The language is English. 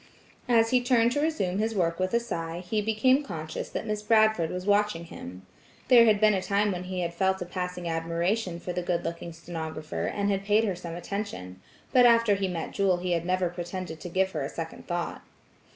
As he turned to resume his work with a sigh, he became conscious that Miss Bradford was watching him. There had been a time when he had felt a passing admiration for the good looking stenographer, and had paid her some attention, but after he met Jewel he had never pretended to give her a second thought.